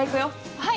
はい！